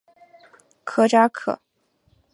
科扎克。